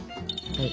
はい。